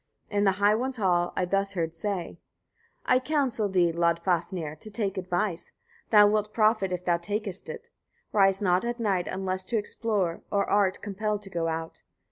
In the High One's hall. I thus heard say: 114. I counsel thee, Loddfafnir, to take advice: thou wilt profit if thou takest it. Rise not at night, unless to explore, or art compelled to go out.